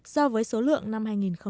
so với số lượng năm hai nghìn một mươi bảy